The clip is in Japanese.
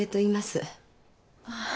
ああ。